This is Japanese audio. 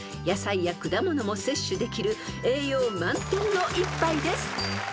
［野菜や果物も摂取できる栄養満点の一杯です］